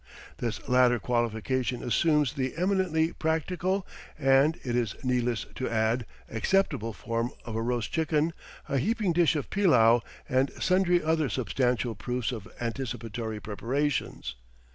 This latter qualification assumes the eminently practical, and, it is needless to add, acceptable form of a roast chicken, a heaping dish of pillau, and sundry other substantial proofs of anticipatory preparations.